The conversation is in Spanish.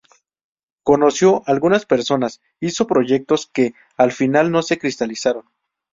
Conoció algunas personas, hizo proyectos que al final no se cristalizaron.